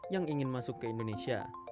yang ingin masuk ke indonesia